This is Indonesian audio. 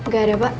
gak ada pak